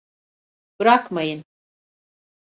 Bırakmayın!